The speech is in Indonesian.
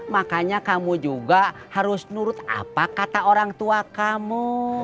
makanya kamu juga harus nurut apa kata orang tua kamu